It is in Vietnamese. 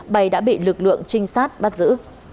bay đã bị lực lượng trinh sát bắt giữ